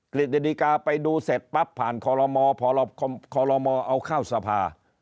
กฤษฎิกาไปดูเสร็จปั๊บผ่านคลมพรบคลมเอาเข้าสภา